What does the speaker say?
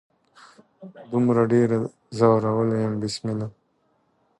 دومره ډیر يې ځورولي يم بسمله